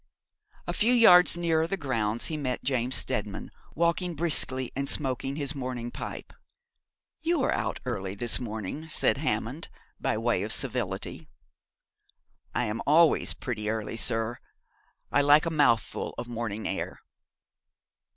A few yards nearer the grounds he met James Steadman, walking briskly, and smoking his morning pipe. 'You are out early this morning,' said Hammond, by way of civility. 'I am always pretty early, sir. I like a mouthful of morning air.'